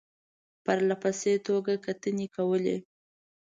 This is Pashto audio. پرله پسې توګه کتنې کولې.